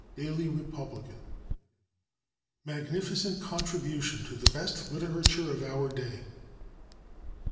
Daily Republican. "Magnificent Contribution to the Best Literature of Our Day."